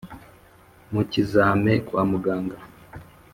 Mu kizame kwa Muganga;